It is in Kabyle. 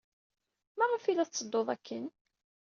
Maɣef ay la tetteddud akken?